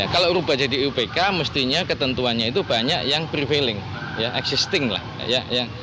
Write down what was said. kalau berubah jadi iupk mestinya ketentuannya itu banyak yang prevailing